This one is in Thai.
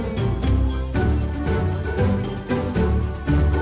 เพื่อนรับทราบ